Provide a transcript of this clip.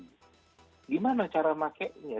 bagaimana cara memakainya